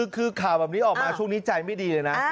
คือข่าวแบบนี้ออกมาช่วงนี้ใจไม่ดีเลยนะ